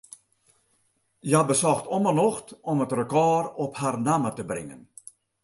Hja besocht om 'e nocht om it rekôr op har namme te bringen.